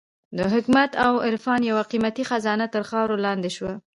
د حکمت او عرفان یوه قېمتي خزانه تر خاورو لاندې شوه.